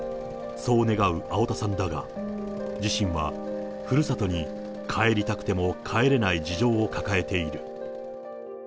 そう願う青田さんだが、自身は、ふるさとに帰りたくても帰れない事情を抱えている。